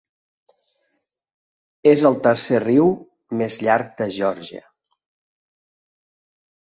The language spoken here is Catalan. És el tercer riu més llarg de Geòrgia.